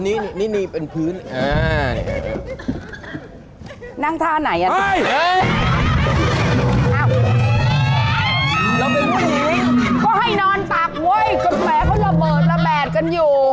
ก็แม้เค้าระเบิดระแบดกันอยู่